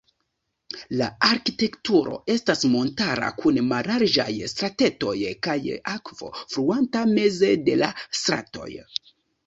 La arkitekturo estas montara kun mallarĝaj stratetoj kaj akvo fluanta meze de la stratoj.